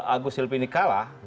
agus hilvini kalah